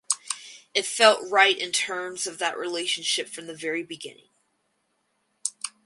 It felt right in terms of that relationship from the very beginning.